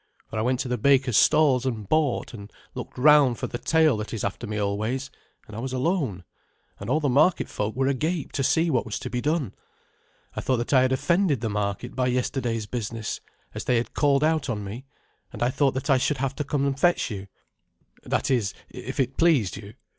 For I went to the baker's stalls and bought, and looked round for the tail that is after me always; and I was alone, and all the market folk were agape to see what was to be done. I thought that I had offended the market by yesterday's business, as they had called out on me, and I thought that I should have to come and fetch your that is, if it pleased you.